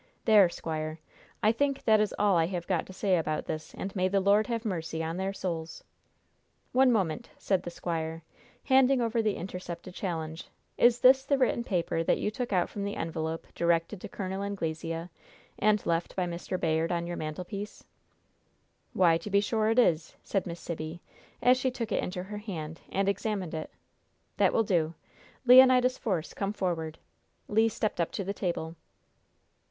There, squire, I think that is all I have got to say about this, and may the Lord have mercy on their souls!" "One moment," said the squire, handing over the intercepted challenge. "Is this the written paper that you took out from the envelope directed to Col. Anglesea and left by Mr. Bayard on your mantelpiece?" "Why, to be sure it is!" said Miss Sibby, as she took it into her hand and examined it. "That will do! Leonidas Force, come forward." Le stepped up to the table.